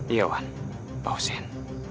iya wan pak hussein